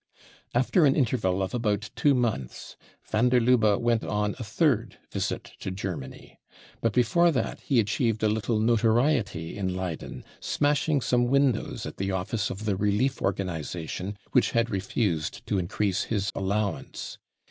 After an interval of about two months van der Lubbe went on a third visit to Germany, But before that he achieved a little notoriety in Leyden, smashing some windows at the office of the relief organisation which had refused to increase his allowance.